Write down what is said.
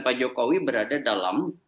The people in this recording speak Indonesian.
pak jokowi berada dalam